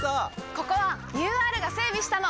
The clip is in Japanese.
ここはＵＲが整備したの！